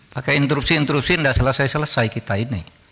pakai intrupsi intrupsi enggak selesai selesai kita ini